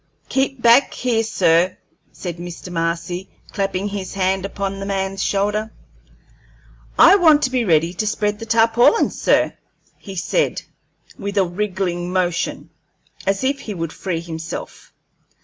"Keep back here, sir," said Mr. Marcy, clapping his hand upon the man's shoulder. "I want to be ready to spread the tarpaulins, sir," said he, with a wriggling motion, as if he would free himself.